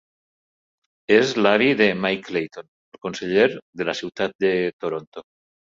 És l'avi de Mike Layton, el conseller de la ciutat de Toronto.